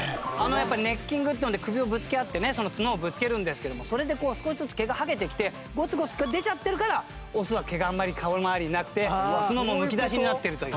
ネッキングっていうので首をぶつけ合ってね角をぶつけるんですけどもそれで少しずつ毛がハゲてきてゴツゴツと出ちゃってるからオスは毛があんまり顔まわりになくて角もむき出しになってるという。